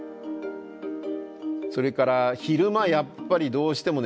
それから昼間やっぱりどうしても眠くなっちゃう。